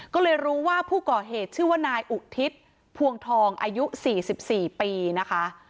ก็เลยรู้ว่าผู้ก่อเหตุชื่อว่านายอุทิศพวงทองอายุ๔๔ปีนะคะ